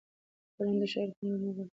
ټولنه د شاعر د خوند نه برخمنه نه ده.